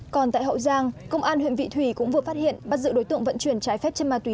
còn tại hậu giang công an huyện vị thủy cũng vừa phát hiện bắt giữ đối tượng vận chuyển trái phép chất ma túy